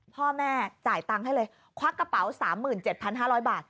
พ่อแม่จ่ายตังค์ให้เลยควักกระเป๋า๓๗๕๐๐บาท